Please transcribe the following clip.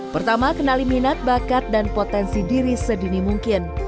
pertama kenali minat bakat dan potensi diri sedini mungkin